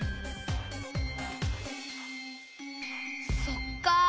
そっか。